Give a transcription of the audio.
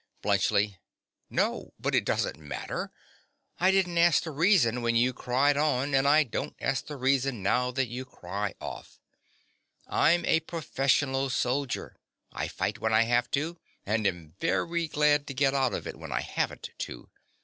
BLUNTSCHLI. No; but it doesn't matter. I didn't ask the reason when you cried on; and I don't ask the reason now that you cry off. I'm a professional soldier. I fight when I have to, and am very glad to get out of it when I haven't to.